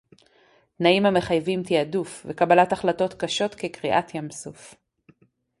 תנאים המחייבים תעדוף וקבלת החלטות קשות כקריעת ים-סוף